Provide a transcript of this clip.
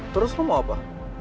terus lo mau apa